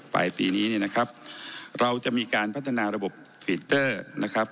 ปลายปีนี้เนี่ยนะครับเราจะมีการพัฒนาระบบฟีเตอร์นะครับ